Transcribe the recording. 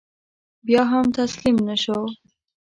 بیا هم تسلیم نه شو.